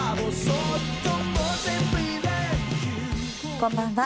こんばんは。